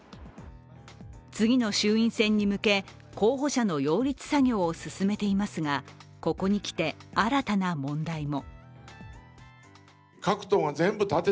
次の衆院選に向け、候補者の擁立作業を進めていますがここに来て、新たな問題も。